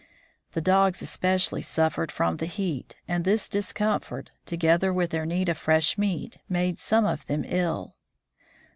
The dogs especially suffered from the heat, and this discomfort, together with their need of fresh meat, made some of them ill.